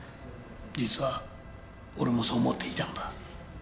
実は俺もそう思っていたんだ。